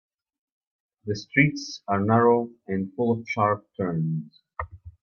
The streets are narrow and full of sharp turns.